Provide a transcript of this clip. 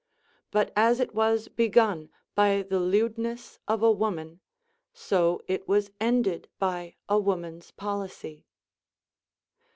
But as it Avas begun by the lewdness of a woman, so it was ended by a woman's policy.